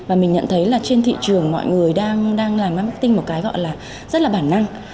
và mình nhận thấy là trên thị trường mọi người đang làm marketing một cái gọi là rất là bản năng